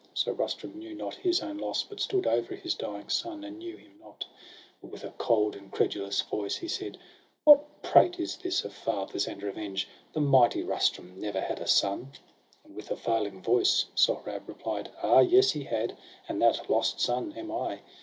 So Rustum knew not his own loss, but stood Over his dying son, and knew him not. But with a cold, incredulous voice, he said: —' What prate is this of fathers and revenge ? The mighty Rustum never had a son.' And, with a failing voice, Sohrab replied :—' Ah yes, he had ! and that lost son am I.